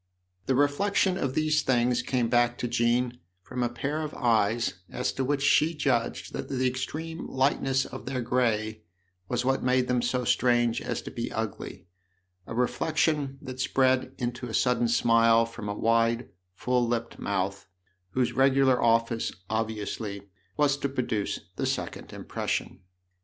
The reflection of these things came back to Jean from a pair of eyes as to which she judged that the extreme lightness of their grey was what made them so strange as to be ugly a reflection that spread into a sudden smile from a wide, full lipped mouth, whose regular office, obviously, was to produce the second impression.